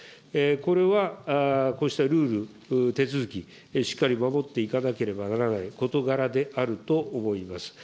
これはこうしたルール、手続き、しっかり守っていかなければならない事柄であると思います。